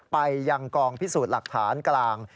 ไปยังกองพิสูจน์หลักฐานกลาง